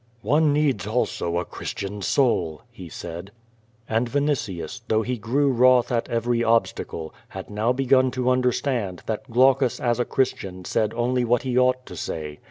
"One needs also a Christian soul,*' he said. And Vinitius, though he grew wroth at every obstacle, had now begun to understand that Glaucus as a Christian said only what he ought to say.